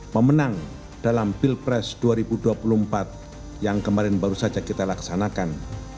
memenang dalam pilpres dua ribu dua puluh empat yang kemarin baru saja kita laksanakan